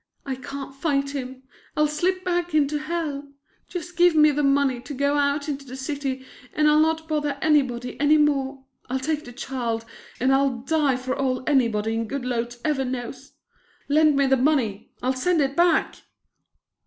I can't fight him. I'll slip back into hell. Just give me the money to go out into the city and I'll not bother anybody any more. I'll take the child and I'll die for all anybody in Goodloets ever knows. Lend me the money; I'll send it back!"